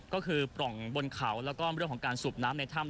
ก็คือปล่องบนเขาและความหวังที่สูบน้ำในถ้ำ